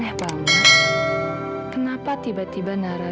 kamu bisa dibayar